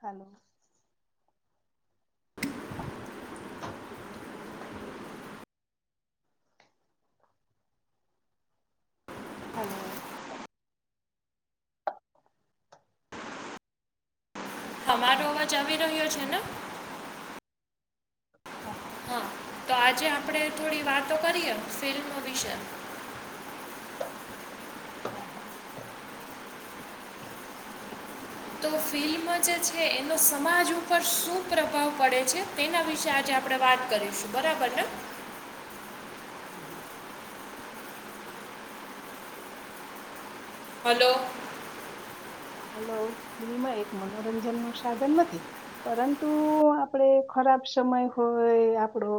Hello. [unintelligible] અમારો હા હા અવાજ હા આવી રહ્યો છે ને? હા [unintelligible] તો આજે આપણે થોડી વાતો કરીએ ફિલ્મ વિશે. તો ફિલ્મ જે છે એનો સમાજ ઉપર શું પ્રભાવ પડે છે તેના વિશે આજે આપણે આપણે વાત કરીશું બરાબર ને. હમ્મ હમ્મ. હલો. હાલ ફિલ્મ એક મનોરંજન નું સાધન નથી પરંતુ આપડે ખરાબ સમય હોય આપડો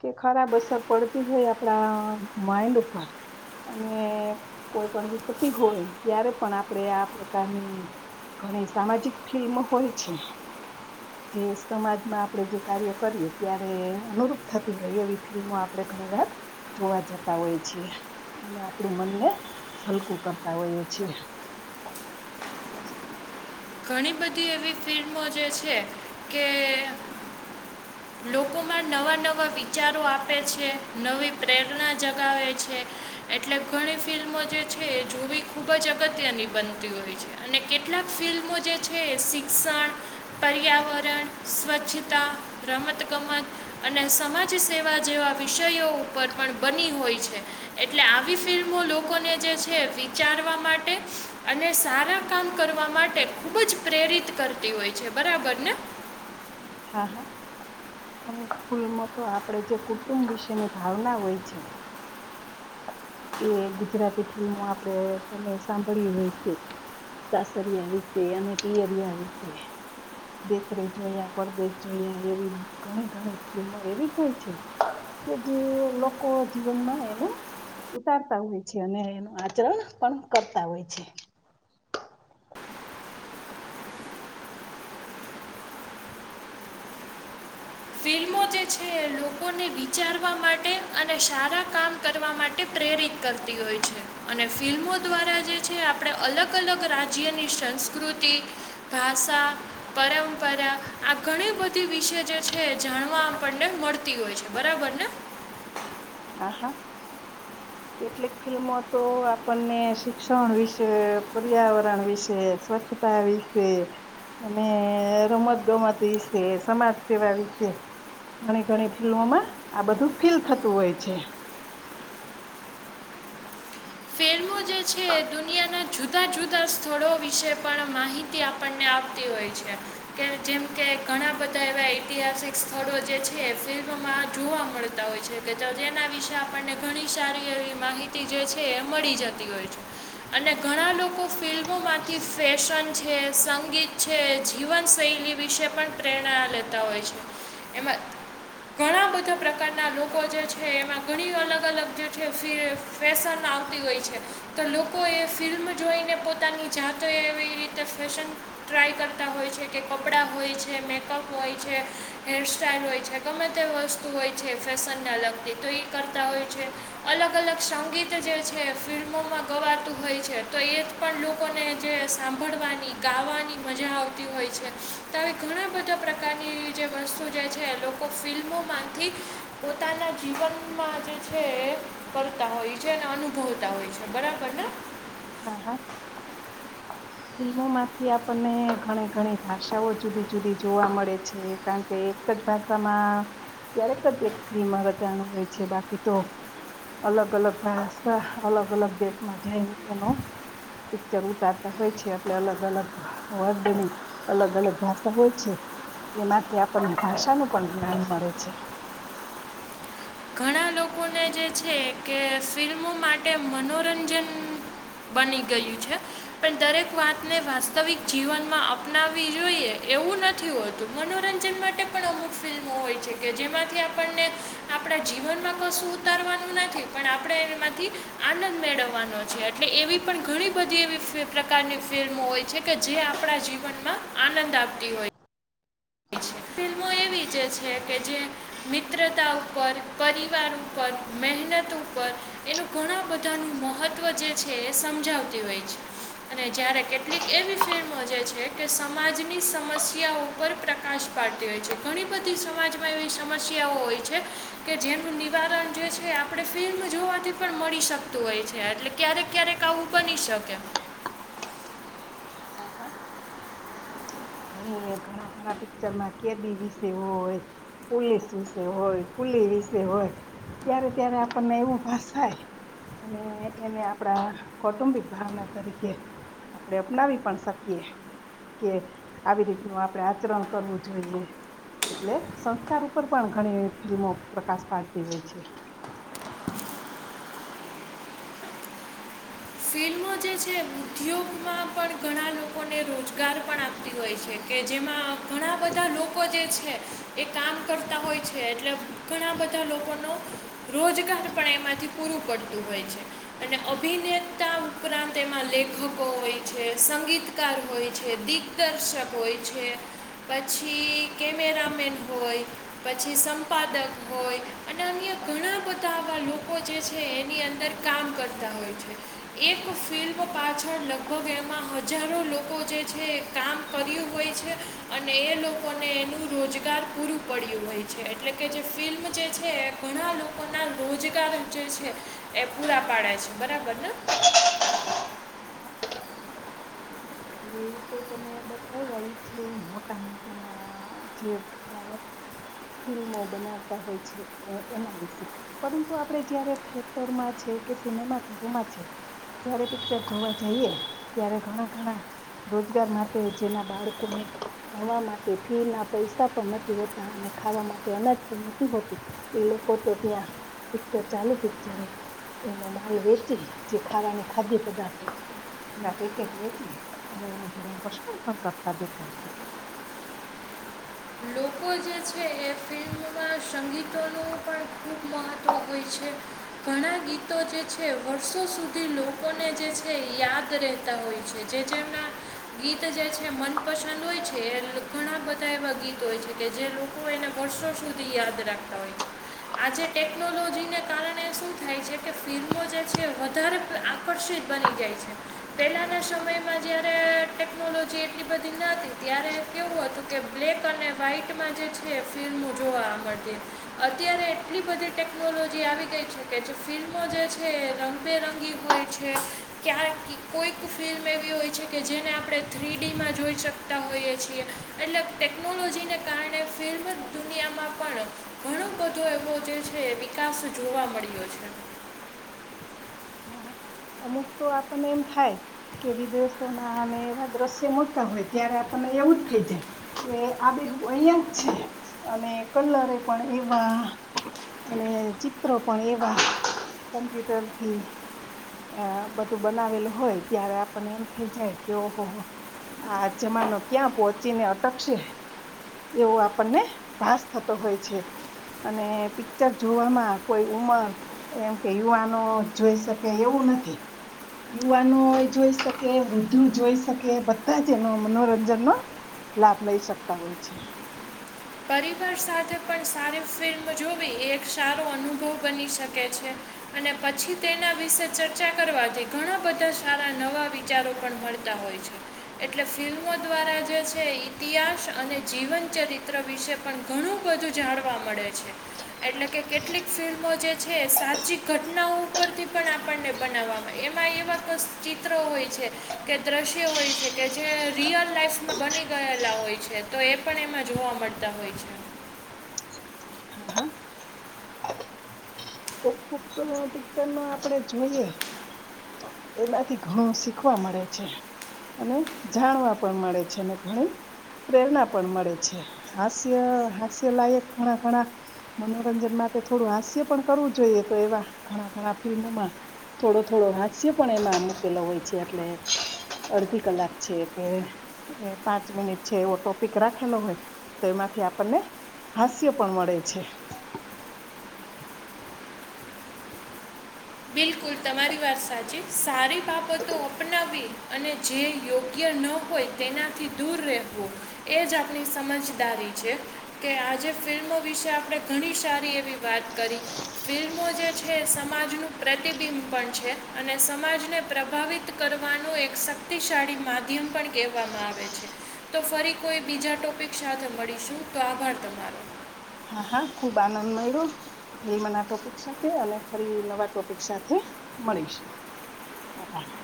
કે ખરાબ અસર પડતી હોય આપણા માઇન્ડ અને કોઈ પણ વિપત્તિ હોય ત્યારે પણ આપણેે આ પ્રકારની ઘણી સામાજિક ફિલ્મો હોય છે. જે સમાજમાં આપણે જે કાર્ય કરીએ ત્યારે અનુરૂપ થતી હોય એવી ફિલ્મો આપણે ઘણીવાર જોવા જતા હોય છીએ. અને આપણું મનને હલકું કરતા હોઈએ છીએ. [unintelligible] ઘણી બધી એવી ફિલ્મો જે છે કે લોકોમાં નવા નવા વિચારો આપે છે, નવી પ્રેરણા જગાવે છે, એટલે ઘણી ફિલ્મો જે છે એ જોવી ખુબ જ અગત્યની બનતી હોય છે. અને કેટલાક ફિલ્મ મો જે છે, એ શિક્ષણ, પર્યાવરણ, સ્વચ્છતા, રમતગમત અને સમાજસેવા જેવા વિષયો ઉપર પણ બની હોય છે. એટલે આવી ફિલ્મો લોકોને જે છે વિચારવા માટે અને સારા કામ કરવા માટે ખુબ જ પ્રેરિત કરતી હોય છે. બરાબર ને? હા હા અમુક ફૂલમાં તો આપણેે જે કુટુંબ વિશેની ભાવના હોય છે. કે ગુજરાતી ફિલ્મો આપણેે તમે સાંભળ્યું હોય સે. સાસરિયા વિશે અને પિયરિયા વિશે. દેશ રે જોયા પરદેશ જોયા એવી ઘણી ઘણી ફિલ્મો એવી હોય છે. કે જે લોકો જીવનમાં એનું ઉતારતા હોય છે. અને એનું આચરણ પણ કરતા હોય છે. ફિલ્મો જે છે એ લોકોને વિચારવા માટે અને સારા કામ કરવા માટે પ્રેરિત કરતી હોય છે. અને ફિલ્મો દ્વારા જે છે આપણે અલગ અલગ રાજ્યની સંસ્કૃત તી, ભાષા, પરંપરા આ ઘણી બધી વિશે જે છે જાણવા આપણને મળતી હોય છે. બરાબર ને? આ હા હ કેટલીક ફિલ્મો તો આપણને શિક્ષણ વિશે, પર્યાવરણ વિશે, સ્વચ્છ તા વિશે અને રમતગમત વિશે, સમાજ સેવા વિશે, ઘણી ઘણી ફિલ્મોમાં આ બધું ફીલ થતું હોય છે. મો જે છે એ દુનિયાના જુ જુદાં જુદાં સ્થળો વિશે પણ માહિતી આપણને આપતી હોય છે. કે જેમ કે [inaudible] ઘણા બધા એવા ઐતિહાસિક સ્થળો જે છે ફિલ્મમાં જોવા મળતા હોય છે. તે તો જેના વી વિશે આપણને ઘણી સારી એવી માહિતી જે છે એ મળી જત જતી હોય છે. અને ઘણા લોકો ફિલ્મોમાંથી ફેશન છે, સંગીત છે, જીવન શૈલી વિશે પણ પ્રેરણા લેતા હોય છે. એમાં ઘણા બધા પ્રકારના લોકો જે છે એમાં ઘણી અલગ અલગ જે છે ફે ફેશન આવતી હોય છે. તો લોકોએ ફિલ્મ જોઈને પોતાની જાતે એવી રીતે ફેશન ટ્રાય કરતાં તા હોય છે, કે કપડાં હોય છે, મેકઅપ હોય છે, હેરસ્ટાઈલ હોય છે, ગમે તે વસ્તુ હોય છે જે ફેશનને લગતી તો ઈ કરતા હોય છે. અલગ અલગ સંગીત જે છે ફિલ્મોમાં ગવાતું હોય છે, તો એ જ પણ લોકોને જે સાંભળવાની, ગાવાની મજા આવતી હોય હોય છે. તો હવે ઘણા બધા પ્રકારની જે વસ્તુ જે છે એ લોકો ફિલ્મોમાંથી પોતાના જીવનમાં જે છે એ કરતાં હોય છે ને અનુભવ તા હોય છે. બરાબર ને? હા હા ફિલ્મોમાંથી આપણને ઘણી ઘણી ભાષાઓ જુદી જુદી જોવા મળે છે. કારણ કે એક જ ભાષામાં ક્યારેક જ એક ફિલ્મ રચાણુ હોય છે. બાકી તો અલગ અલગ ભાષા, અલગ અલગ દેશમાં જાઈ એનો પિક્ચર ઉતારતા હોય છે. છે એટલે અલગ અલગ વર્ડની અલગ અલગ ભાષા હોય છે. એમાંથી આપણને ભાષાનું પણ જ્ઞાન મળે છે. [unintelligible] લોકોને જે છે કે ફિલ્મો માટે મનોરંજન બની ગયું છે પણ દરેક વાતને વાસ્તવિક જીવનમાં અપનાવી જોઈએ. એવું નથી હોતું મનોરંજન માટે પણ અમુક ફિલ્મો હોય છે કે જેમાંથી આપણને આપણા જીવનમાં કશું ઉતારવાનું નથી પણ આપણે એમાંથી આનંદ મેળવવાનો છે એટલે એવી પણ ઘણી બધી એવી પ્રકારની ફિલ્મો હોય છે કે જે આપણા જીવનમાં આનંદ આપતી હોય છે. ફિલ્મો એક છે કે જે મિત્રતા ઉપર પરિવાર ઉપર મહેનત ઉપર એનું ઘણા બધા ન મહત્વ જે છે એ સમજાવતી હોય છે. અને જયારે કેટલીક એવી ફિલ્મ જે છે કે સમાજની સમસ્યા ઉપર પ્રકાશ ડ હોય છે ઘણી બધી સમાજમાં એવી સમસ્યાઓ હોય છે કે જેનું નિવારણ જે છે આપણે ફિલ્મ જોવાથી પણ મળી શકતું હોય છે એટલે ક્યારેક ક્યારેક આવું બની શકે [inaudible] હા હા. ઘણી ઘણા ઘણા પિક્ચરમાં કેદી વિશે હોય પોલીસ વિશે હોયુ વિશે હોય ત્યારે ત્યારે આપણને એવું ભષાય અને એને આપણા કૌટુંબિક ભાવના તરીકે આપણે અપનાવી પણ શકીએ કે આવી રીતનું આપણે આચરણ કરવું જોઈએ. એટલે સંસ્કાર ઉપર પણ ઘણી ફિલ્મો પ્રકાશ પાડતી હોય છે તો જે છે ઉદ્યોગમાં પણ ઘણા લોકોને રોજગાર પણ આપતી હોય છે કે જેમાં ઘણા બધા લોકો જે છે એ કામ કરતા હોય છે એટલે ઘણા બધા બધા લોકોનો રોજગાર પણ એમાંથી પૂરું પડતું હોય છે અને અભિનેતા ઉપરાંત એમાં લેખકો હોય છે સંગીતકાર હોય છે દિગ્દર્શક હોય છે પછી. કેમેરામેન હોય પછી સંપાદક હોય અને અનયા ઘણા બધા તાવા લોકો જે છે એની અંદર કામ કરતા હોય છે. એક ફિલ્મ પાછળ લગભગ એમાં હજારો લોકો જે છે કામ કર્યું હોય છે અને એ લોકોને એનું રોજગાર પૂરું પડ્યું હોય છે એટલે કે જે ફિલ્મ જે છે એ ઘણા લોકો ના રોજગાર જે છે એ પૂરા પાડે છે બરાબર ને [inaudible] એ તો તમે બતાવવા એ છે મોટા મોટા જે ફિલ્મો બનાવતા હોય છે એના વિશે પરંતુ આપડે જયારે થયેટર છે કે સિનેમામાં છે જારે પિક્ચર જોવા જઈએ ત્યારે ઘણા ઘણા રોજગાર માટે જેના બાળકો ને ભણવા માટે ફી ના પૈસા પણ નથી હોતા અને ખાવા માટે અનાજ પણ નથી હોતું એ લોકો તો ત્યાં પિક્ચર ચાલુ પિક્ચર એનો માલ વેચે જે ખાવાની ખાદ્ય પદાર્થો ના પેકેટ વેચે અને એનું ભમપસણ પણ કરતા દેખાય છે. લોકો જે છે એ ફિલ્મમાં સંગીતોનું પણ ખૂબ મહત્ત્વ હોય છે ઘણાં ગીતો જે છે વર્ષો સુધી લોકોને જે છે યાદ રહેતા હોય છે. જે જેણા ગીત જે છે મનપસંદ હોય છે. છે ઘણા બધા એવા ગીતોય છે. કે જે લોકો એને વર્ષો સુધી યાદ રાખતા હોય છે. આજે ટેકનોલોજીને કારણે શું થાય છે કે ફિલ્મો જે છે વધારે આકર્ષિત બની જાય છે પહેલાના સમયમાં જયારે ટેકનોલોજી એટલી બધી ના હતી ત્યારે કેવું હતું કે બ્લેક અને વ્હાઈટ ફિલ્મો જોવા મળતી અત્યારે એટલી બધી ટેકનોલોજી આવી ગઈ છે ફિલ્મો જે છે રંગબેરંગી હોય છે ક્યા કોઈક ફિલ્મ એવી, હોય છે કે જેને આપણે થ્રીડીમાં જોઈ શકતા હોઈએ છીએ એટલે ટેકનોલોજીને કારણે ફિર દુનિયામાં પણ ઘણો બધો એવો જે છે વિકાસ જોવા મળ્યો છે. [inaudible] અમુક તો આપણને એમ થાય. કે વિદેશોના અને એવા દ્રશ્ય મૂક્યા હોય ત્યારે આપણને એવું જ થઈ જાય કે આ અહીંયા જ છે અને કલરે પણ એવા અને ચિત્રો પણ એવા કોમ્પ્યુટરથી એ બધું બનાવેલું હોય ત્યારે આપણને એમ થઈ જાય કે ઓહોહો. આ જમાનો ક્યાં પહોંચીને અટકશે. એવું આપણને ભાસ થતો હોય છે. અને પિક્ચર જોવામાં કોઈ ઉંમર એમ કે યુવાનો જોઈ શકે એવું નથી. યુવાનો જોઈ શકે, વૃદ્ધુ જોઈ શકે બધાં જ એનો મનોરંજનનો. લાભ લઈ શકતા હોય છે. પરિવાર સાથે પણ સારી ફિલ્મ જોવી એક સારો અનુભવ બની શકે છે. અને પછી તેના વિશે ચર્ચા કરવાથી ઘણા બધાં સારા નવા વિચારો પણ મળતા તા હોય છે એટલે ફિલ્મો દ્વારા જે છે ઇતિહાસ અને જીવન ચરિ ત્ર વિશે પણ ઘણું બધું જાણવા મળે છે એટલે કે કેટલીક ફિલ્મો જે છે સાચી ઘટનાઓ ઉપરથી પણ આપણને બનાવવામાં એમાં એવા ક ચિત્રો હોય છે કે દ્રશ્ય હોય છેકે જે રિયલ લાઈફમાં બની ગયેલા હોય છે. તો એ પણ એમાં જોવા મળતા હોય છે. હા હા તો પિક્ચરનો આપડે જોઈએ. એમાંથી ઘણું શીખવા મળે છે. અને જાણવા પણ મળે છેને ઘણી પ્રેરણા પણ મળે છે હાસ્ય, હાસ્યલાયક ઘણા ઘણા મનોરંજન માટે થોડું હાસ્ય પણ કરવું જોઈએ તો એવા ઘણા ઘણા ફિલ્મોમાં થોડો થોડો હાસ્ય પણ એમાં મૂકેલો હોય છે એટલે અડધી કલાક છે કે એ પાંચ મિનિટ છે એવો ટોપિક રાખેલો હોય. તો એમાંથી આપણને હાસ્ય પણ મળે છે. બિલકુલ. તમારી વાત સાચી સારી બાબતો અપનાવી અને જે યોગ્ય ન હોય તેનાથી દૂર રહેવું એ જ આપણી સમજદારી છે કે આજે ફિલ્મો વિશે આપણે ઘણી સારી એવી વાત કરી ફિલ્મો જે છે સમાજનું પ્રતિબિંબ પણ છે અને સમાજને પ્રભાવિત કરવાનું એક શક્તિશાળી માધ્ય પણ કહેવામાં આવે છે તો ફરી કોઈ બીજા ટોપિક સાથે મળીશું તો આભાર તમારો. હા હા. ખુબ આનંદ મેયળો ફિલ્મના ટોપિક સાથે અને ફરી નવા ટોપિક સાથે મળીશું. [inaudible]